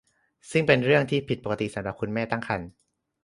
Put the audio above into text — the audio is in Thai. ซึ่งเป็นเรื่องที่ผิดปกติสำหรับคุณแม่ตั้งครรภ์